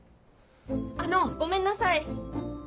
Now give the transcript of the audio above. あの！ごめんなさい。